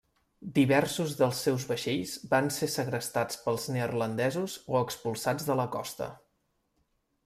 Diversos dels seus vaixells van ser segrestats pels neerlandesos o expulsats de la costa.